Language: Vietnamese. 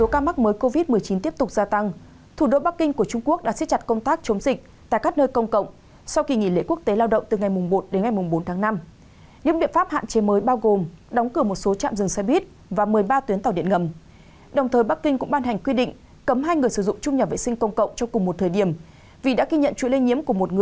các bạn hãy đăng ký kênh để ủng hộ kênh của chúng mình nhé